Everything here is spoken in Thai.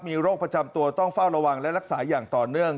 มีโรคประจำตัวต้องเฝ้าระวังและรักษาอย่างต่อเนื่อง